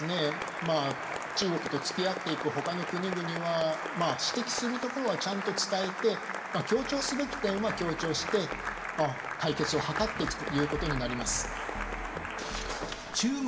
まあ中国とつきあっていくほかの国々は指摘するところはちゃんと伝えて協調すべき点は協調して解決を図っていくということになります。